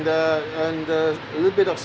dan ada sedikit bau